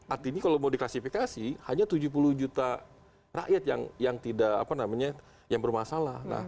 artinya kalau mau diklasifikasi hanya tujuh puluh juta rakyat yang bermasalah